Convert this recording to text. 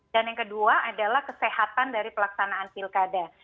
dan yang kedua adalah kesehatan dari pelaksanaan pilkada